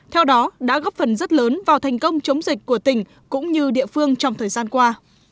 theo đó đã góp phần rất lớn vào thành công chống dịch của tỉnh cũng như địa phương trong thời gian qua